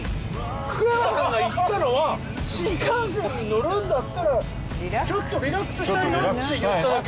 福山さんが言ったのは新幹線に乗るんだったらちょっとリラックスしたいなって言っただけ？